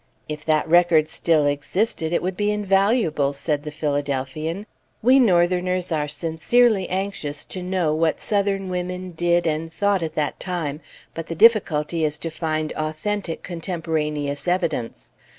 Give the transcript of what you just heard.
"If that record still existed, it would be invaluable," said the Philadelphian. "We Northerners are sincerely anxious to know what Southern women did and thought at that time, but the difficulty is to find authentic contemporaneous evidence.